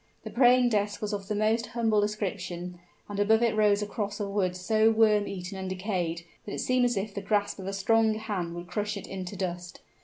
The praying desk was of the most humble description; and above it rose a cross of wood so worm eaten and decayed that it seemed as if the grasp of a strong hand would crush it into dust.